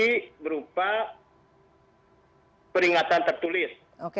tangsi berupa peringatan tertulis